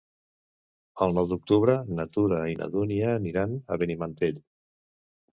El nou d'octubre na Tura i na Dúnia aniran a Benimantell.